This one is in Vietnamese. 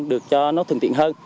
được cho nó thường tiện hơn